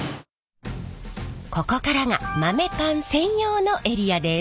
ここからが豆パン専用のエリアです。